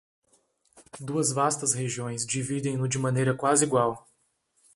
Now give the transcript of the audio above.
Duas vastas regiões dividem-no de maneira quase igual.